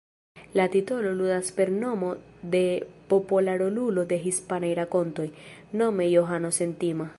La titolo ludas per nomo de popola rolulo de hispanaj rakontoj, nome Johano Sentima.